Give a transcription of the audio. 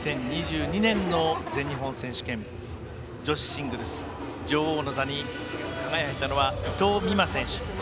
２０２２年の全日本選手権女子シングルス女王の座に輝いたのは伊藤美誠選手。